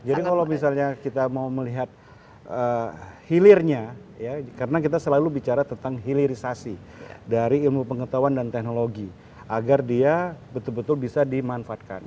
jadi kalau misalnya kita mau melihat hilirnya karena kita selalu bicara tentang hilirisasi dari ilmu pengetahuan dan teknologi agar dia betul betul bisa dimanfaatkan